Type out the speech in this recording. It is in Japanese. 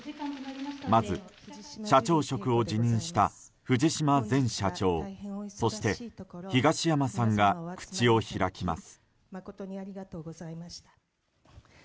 まず、社長職を辞任した藤島前社長そして、東山さんが口を開きます。